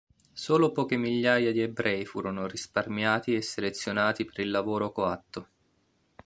Solo poche migliaia di ebrei furono risparmiati e selezionati per il lavoro coatto.